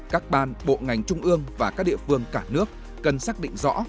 các ban bộ ngành trung ương và các địa phương cả nước cần xác định rõ